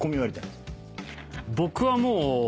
僕はもう。